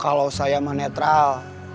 kalau saya mah netral